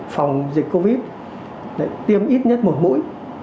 phòng dịch covid tiêm ít nhất một mũi